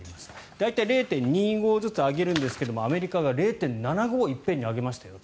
大体、０．２５ずつ上げるんですがアメリカが０．７５一遍に上げましたよ